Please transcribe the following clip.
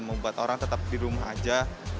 membuat orang tetap di rumah aja